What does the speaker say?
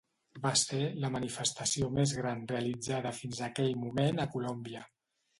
Va ser la manifestació més gran realitzada fins aquell moment a Colòmbia.